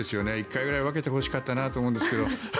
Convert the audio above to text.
１回ぐらい分けてほしかったなと思うんですけど。